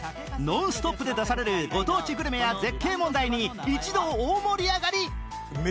ノンストップで出されるご当地グルメや絶景問題に一同大盛り上がり